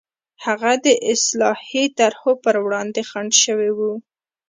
هغه د اصلاحي طرحو پر وړاندې خنډ شوي وو.